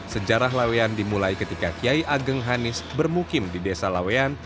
sejarah laweyan dimulai ketika kiai ageng hanis bermukim di desa lawean